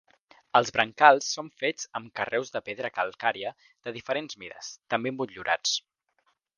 Els brancals són fets amb carreus de pedra calcària de diferents mides, també motllurats.